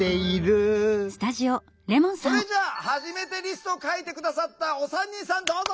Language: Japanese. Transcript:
それじゃあ「はじめてリスト」を書いて下さったお三人さんどうぞ！